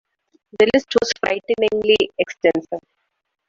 The list was frighteningly extensive.